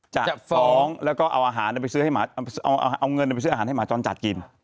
จะฟ้องแล้วก็เอาอาหารเอาเงินไปซื้ออาหารให้หมาจรจัดกิน